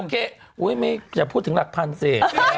อย่าพูดถึงหลักพันสิ